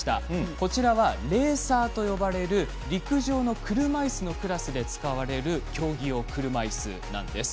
こちらはレーサーと呼ばれる陸上の車いすのクラスで使われる競技用車いすなんです。